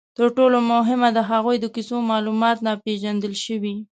تر ټولو مهمه، د هغوی د کیسو معلومات ناپېژندل شوي.